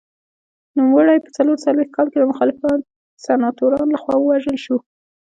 نوموړی په څلور څلوېښت کال کې د مخالفو سناتورانو لخوا ووژل شو.